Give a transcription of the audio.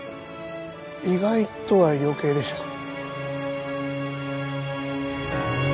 「意外と」は余計でしょう。